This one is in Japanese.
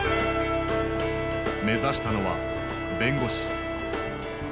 目指したのは弁護士。